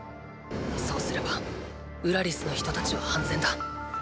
そうすればウラリスの人たちは安全だう！